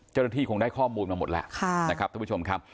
เจ้าหน้าที่คงได้ข้อมูลมาหมดแล้วนะครับท่านผู้ชมครับ